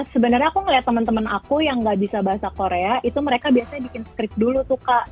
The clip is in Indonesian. sebenarnya aku ngeliat temen temen aku yang gak bisa bahasa korea itu mereka biasanya bikin script dulu tuh kak